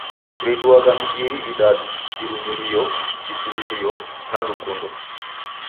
Riduagha ni iri idadu, Irumirio, isuw'irio, na lukundo